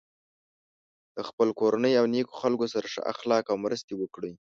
د خپل کورنۍ او نیکو خلکو سره ښه اخلاق او مرستې وکړی.